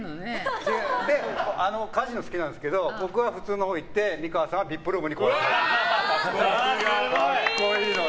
カジノ好きなんですけど僕は普通のほう行って美川さんはビップルームに。